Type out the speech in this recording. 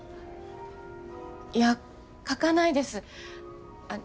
いや書かないです。